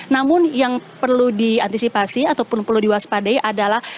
namun yang perlu diantisipasi ataupun perlu diwaspadai adalah